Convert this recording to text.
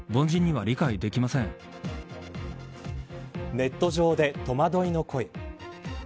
ネット上で戸惑いの声。